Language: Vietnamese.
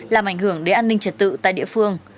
làm ảnh hưởng đến an ninh trật tự tại địa phương